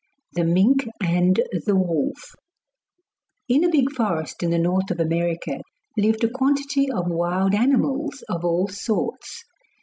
] The Mink and the Wolf In a big forest in the north of America lived a quantity of wild animals of all sorts.